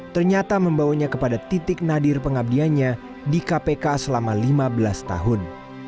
ternyata membawanya kepada titik nadir pengabdiannya di kpk selama lima belas tahun